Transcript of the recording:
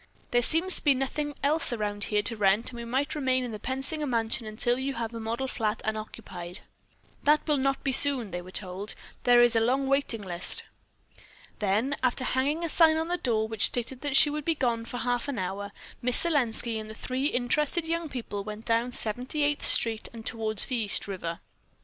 There seems to be nothing else around here to rent and we might remain in the Pensinger mansion until you have a model flat unoccupied." "That will not be soon," they were told, "as there is a long waiting list." Then, after hanging a sign on the door which stated that she would be gone for half an hour, Miss Selenski and the three interested young people went down Seventy eighth Street and toward the East River.